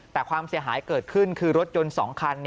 แต่ความเสียหายเกิดขึ้นคือรถยนต์๒คัน